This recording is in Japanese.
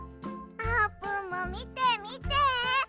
あーぷんもみてみて！